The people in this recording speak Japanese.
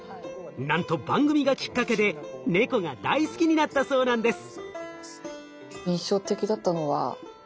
なんと番組がきっかけでネコが大好きになったそうなんです。